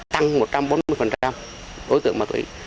tăng một trăm bốn mươi đối tượng ma túy